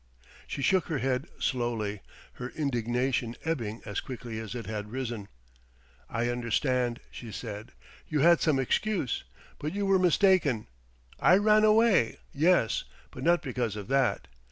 She shook her head slowly, her indignation ebbing as quickly as it had risen. "I understand," she said; "you had some excuse, but you were mistaken. I ran away yes but not because of that.